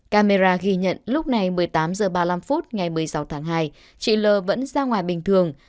camera ghi nhận lúc này một mươi tám h ba mươi năm phút ngày một mươi sáu tháng hai chị l vẫn ra ngoài bình thường